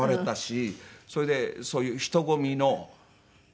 それでそういう人混みの所に。